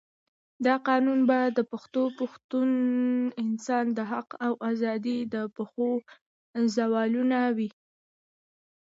دا قانون به د پښتون انسان د حق او آزادۍ د پښو زولانه وي.